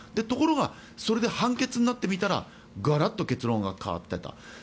ところがそれで判決になってみたらガラッと結論が変わってた。